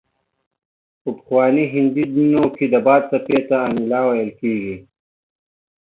په پخواني هندي دینونو کې د باد څپې ته انیلا ویل